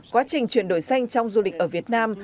quá trình chuyển đổi xanh trong du lịch ở việt nam